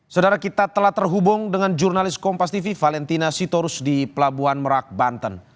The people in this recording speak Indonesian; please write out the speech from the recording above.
saudara kita telah terhubung dengan jurnalis kompas tv valentina sitorus di pelabuhan merak banten